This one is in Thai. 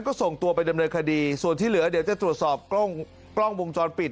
ก็ส่งตัวไปดำเนินคดีส่วนที่เหลือเดี๋ยวจะตรวจสอบกล้องวงจรปิด